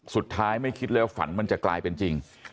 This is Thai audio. ไม่คิดเลยว่าฝันมันจะกลายเป็นจริง